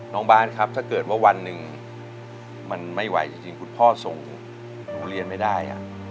น้องบาทครับถ้าเกิดว่าวันหนึ่งมันไม่ไหวจริงคุณพ่อส่งหนูเรียนไม่ได้